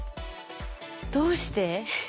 どうして？